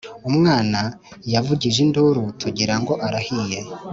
Umwana yavugije induru tugirango arahiye